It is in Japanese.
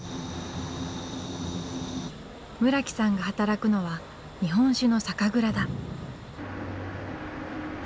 村木さんが働くのは日本酒の酒蔵だ。